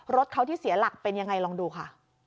รถเขาที่เสียหลักเป็นยังไงลองดูค่ะ